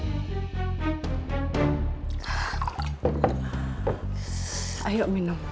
semoga liar terlalu kepada dia